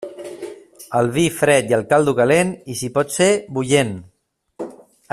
El vi fred i el caldo calent, i si pot ser, bullent.